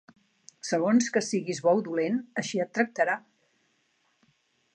Segons que siguis bo o dolent, així et tractarà.